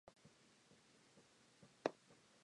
His Headmaster partner is a detective named Muzzle.